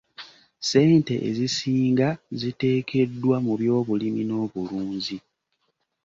Ssente ezisinga ziteekeddwa mu byobulimi n'obulunzi.